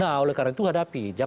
nah oleh karena itu hadapi